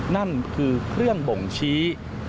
นั่นคือเครื่องบ่งชี้